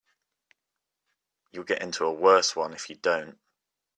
You'll get into a worse one if you don't.